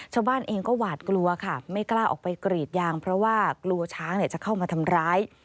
ชาวบ้านเองก็หวาดกลัวค่ะไม่กล้าออกไปกรีดยางเพราะว่ากลัวช้างจะเข้ามาทำร้าย